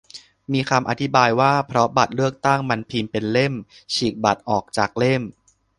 มีคำอธิบายว่าเพราะบัตรเลือกตั้งมันพิมพ์เป็นเล่ม ฉีกบัตรออกจากเล่ม